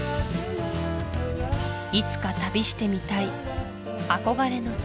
いつか旅してみたい憧れの地